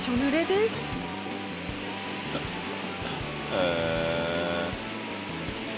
へえ。